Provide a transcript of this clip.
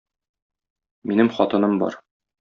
Минем хатыным бар.